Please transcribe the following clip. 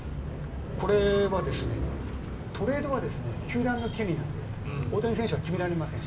これはトレードは球団の権利なので大谷選手は決められません